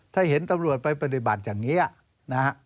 ถ้าเห็นตำรวจไปปฏิบัติอย่างนี้นะฮะ